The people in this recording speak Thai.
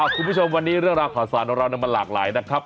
คุณผู้ชมวันนี้เรื่องราวข่าวสารของเรามันหลากหลายนะครับ